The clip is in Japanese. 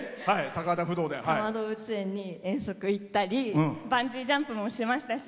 多摩動物園に遠足行ったりバンジージャンプもしましたし。